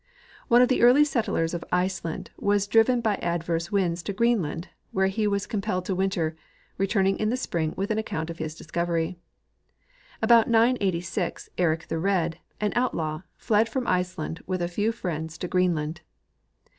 One of the early settlers of Iceland was driven by adverse winds to Greenland, Avhere he was comjielled to Avinter, returning in the spring Avith an account of his discovery. About 986, Eric the Red, an outlaAV, fled from Iceland AAdth a feAV friends to Greenland.